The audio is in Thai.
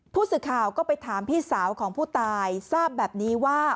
ผู้สื่อข่าวก็ไปถามพี่สาวของผู้ตายทราบแบบนี้ว่า